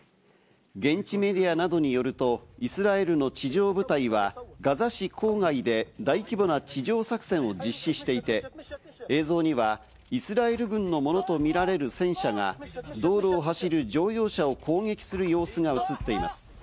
現地メディアなどによると、イスラエルの地上部隊はガザ市郊外で大規模な地上作戦を実施していて、映像にはイスラエル軍のものとみられる戦車が道路を走る乗用車を攻撃する様子が映っています。